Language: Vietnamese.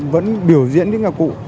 vẫn biểu diễn những nhạc cụ